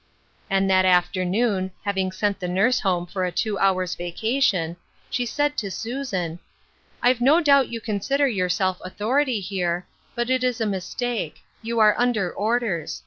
And that afternoon, having sent the nurse home fur a two hours' vacation, she said to Susan, " I've no doubt you consider yourself authority here, but it is a mistake ; you are under orders.